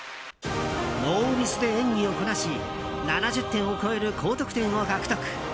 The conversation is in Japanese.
ノーミスで演技をこなし７０点を超える高得点を獲得。